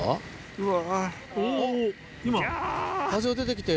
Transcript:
うわ。